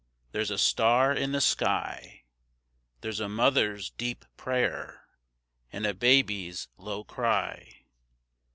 There's a star in the sky! There's a mother's deep prayer And a baby's low cry!